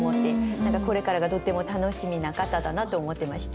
何かこれからがとっても楽しみな方だなと思ってました。